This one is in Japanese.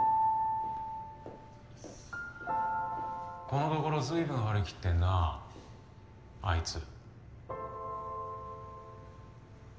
このところ随分張り切ってるなあいつ。